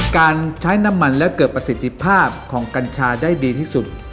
การใช้น้ำมันและเกิดประสิทธิภาพของกัญชาได้ดีที่สุด